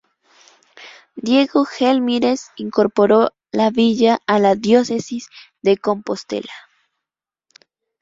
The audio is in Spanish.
Diego Gelmírez incorporó la villa a la Diócesis de Compostela.